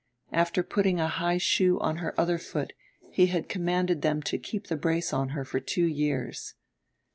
After putting a high shoe on her other foot he had commanded them to keep the brace on her for two years.